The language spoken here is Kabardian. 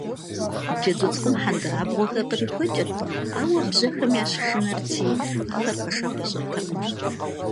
Джэду цӏыкӏум хьэндырабгъуэхэр кърихуэкӀырт, ауэ бжьэхэм ящышынэрти, ахэр пэшэгъу ищӀыртэкъым.